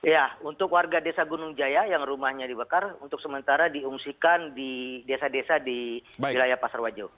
ya untuk warga desa gunung jaya yang rumahnya dibakar untuk sementara diungsikan di desa desa di wilayah pasar wajo